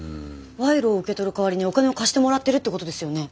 賄賂を受け取る代わりにお金を貸してもらってるってことですよね？